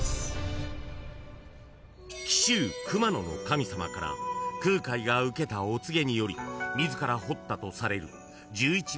［紀州熊野の神様から空海が受けたお告げにより自ら彫ったとされる］